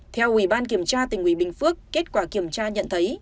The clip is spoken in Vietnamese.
theo ủy ban kiểm tra tỉnh ủy bình phước kết quả kiểm tra nhận thấy